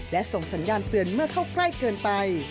และส่งสัญญาณเตือนเมื่อเข้าใกล้เกินไป